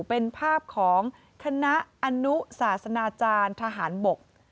เป็นภาพของคณะอนุศาสนาจารย์ทหารบก